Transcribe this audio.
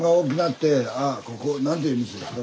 ああここ何て言う店ですか？